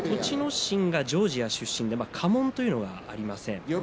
心がジョージア出身で家紋というのがありません。